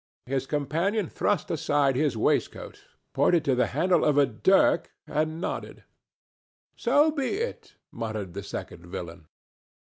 His companion thrust aside his waistcoat, pointed to the handle of a dirk and nodded. "So be it!" muttered the second villain.